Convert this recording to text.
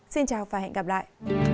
xin chào và hẹn gặp lại